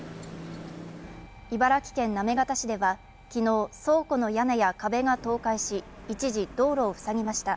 茨城県行方市ではきのう、倉庫の屋根や壁が倒壊し、一時道路をふさぎました。